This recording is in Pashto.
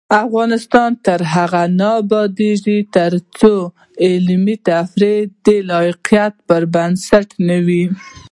افغانستان تر هغو نه ابادیږي، ترڅو علمي ترفیع د لیاقت پر بنسټ نه وي.